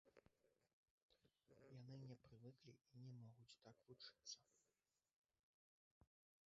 Яны не прывыклі і не могуць так вучыцца.